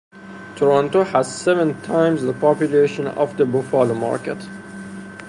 Toronto has seven times the population of the Buffalo market.